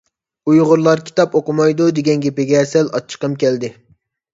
«ئۇيغۇرلار كىتاب ئوقۇمايدۇ» دېگەن گېپىگە سەل ئاچچىقىم كەلدى.